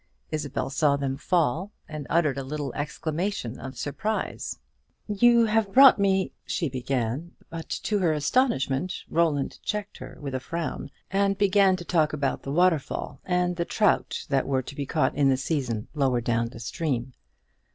Isabel saw them fall; and uttered a little exclamation of surprise. "You have brought me " she began; but to her astonishment Roland checked her with a frown, and began to talk about the waterfall, and the trout that were to be caught in the season lower down in the stream.